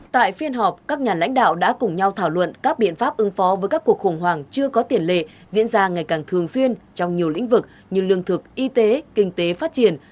tại phiên họp các nhà lãnh đạo đã cùng nhau thảo luận các biện pháp ứng phó với các cuộc khủng hoảng chưa có tiền lệ diễn ra ngày càng thường xuyên trong nhiều lĩnh vực như lương thực y tế kinh tế phát triển